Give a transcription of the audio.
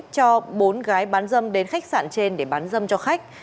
cho bốn gái bán dâm đến khách sạn trên để bán dâm cho khách